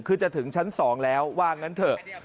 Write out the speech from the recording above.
คือจะถึงชั้น๒แล้วว่างั้นเถอะ